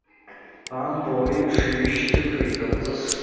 Ампыл еиԥш иҩышьҭыԥеит аҵыс.